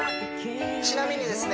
ちなみにですね